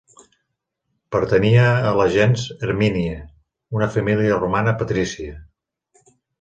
Pertanyia a la gens Hermínia, una família romana patrícia.